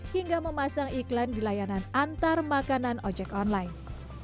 hingga memasang iklan di layanan antarmakanan ojek online